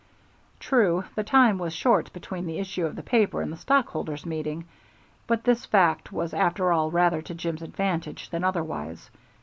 True, the time was short between the issue of the paper and the stockholders' meeting, but this fact was after all rather to Jim's advantage than otherwise.